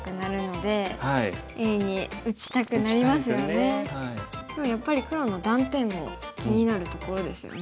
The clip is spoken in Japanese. でもやっぱり黒の断点も気になるところですよね。